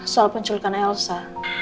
soal penculukan elsa